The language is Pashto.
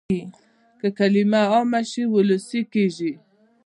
که کلمه عامه شي وولسي کېږي.